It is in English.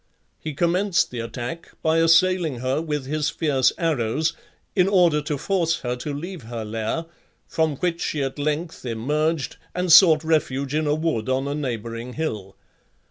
He commenced the attack by assailing her with his fierce arrows, in order to force her to leave her lair, from which she at length emerged, and sought refuge in a wood on a neighbouring hill.